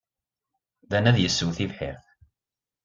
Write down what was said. Dan ad yessew tibḥirt.